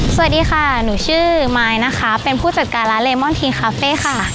สวัสดีค่ะหนูชื่อมายนะคะเป็นผู้จัดการร้านเลมอนทีนคาเฟ่ค่ะ